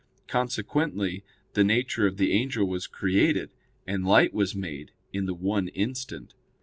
Consequently, the nature of the angel was created, and light was made, in the one instant.